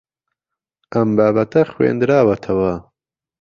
ئەم بابەتە خوێندراوەتەوە.